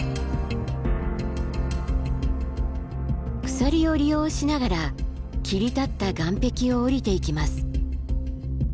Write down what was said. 鎖を利用しながら切り立った岩壁を下りていきます。